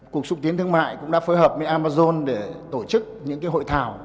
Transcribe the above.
cục xúc tiến thương mại cũng đã phối hợp với amazon để tổ chức những hội thảo